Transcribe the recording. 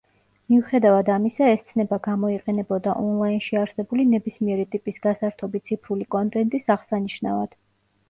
მიუხედავად ამისა, ეს ცნება გამოიყენებოდა ონლაინში არსებული ნებისმიერი ტიპის გასართობი ციფრული კონტენტის აღსანიშნავად.